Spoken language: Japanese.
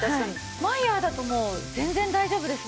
マイヤーだともう全然大丈夫ですもんね。